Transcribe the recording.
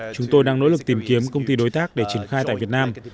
chúng tôi đang nỗ lực tìm kiếm công ty đối tác để triển khai tại việt nam